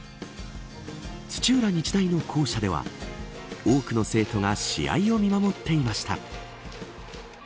土浦日大の校舎では多くの生徒が試合を見守っていました。